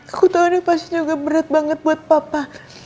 aku tahu ini pasti juga berat banget buat papa